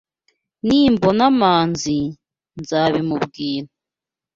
Nimbona Manzi, nzabimubwira.